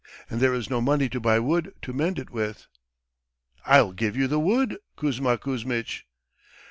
And there is no money to buy wood to mend it with." "I'll give you the wood, Kuzma Kuzmitch."